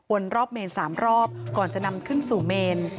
รอบเมน๓รอบก่อนจะนำขึ้นสู่เมน